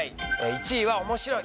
１位は「面白い」。